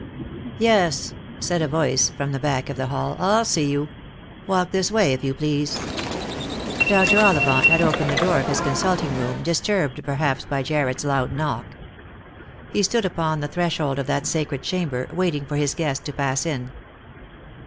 " Yes," said a voice from the back of the hall, " I'll see you. Walk this way, if you please." Dr. Ollivant had opened the door of his consulting room, disturbed perhaps by Jarred's loud knock. He stood upon the threshold of that sacred chamber, waiting for his guest to pass in.